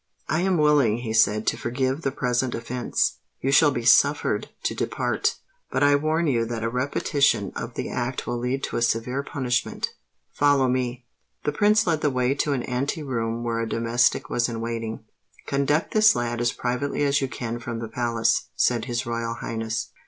"I am willing," he said, "to forgive the present offence; you shall be suffered to depart. But I warn you that a repetition of the act will lead to a severe punishment. Follow me." The Prince led the way to an ante room where a domestic was in waiting. "Conduct this lad as privately as you can from the palace," said his Royal Highness.